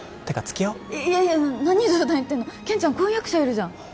てか付き合おういやいや何冗談言ってんの健ちゃん婚約者いるじゃん